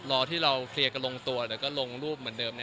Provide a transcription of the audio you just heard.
รอที่เราเคลียร์กันลงตัวเดี๋ยวก็ลงรูปเหมือนเดิม